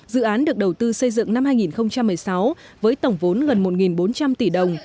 dự án được đầu tư xây dựng năm hai nghìn một mươi sáu với tổng vốn gần một bốn trăm linh tỷ đồng